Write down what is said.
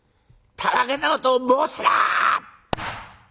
「たわけたことを申すな！」。